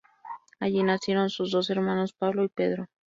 Allí nacieron sus dos hermanos, Pablo y Pedro.